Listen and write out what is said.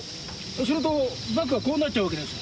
するとバッグはこうなっちゃうわけです。